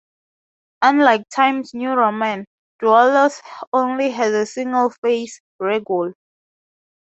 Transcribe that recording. Unlike Times New Roman, Doulos only has a single face, Regular.